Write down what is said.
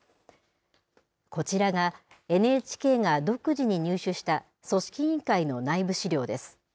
こちらがＮＨＫが独自に入手した、組織委員会の内部資料です。